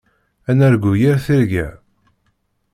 Ad nargu yir tirga.